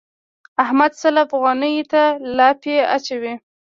احمد سل افغانيو ته الاپی اچوي.